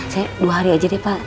saya dua hari aja deh pak